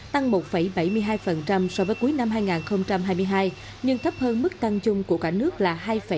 tăng một bảy mươi hai so với cuối năm hai nghìn hai mươi hai nhưng thấp hơn mức tăng chung của cả nước là hai sáu mươi một